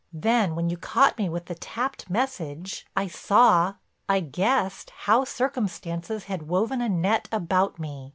Then, when you caught me with the tapped message, I saw—I guessed how circumstances had woven a net about me.